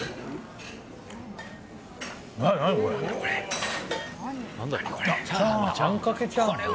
何これ？